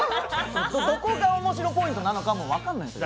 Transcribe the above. どこが面白ポイントなのかも分かんないですよ。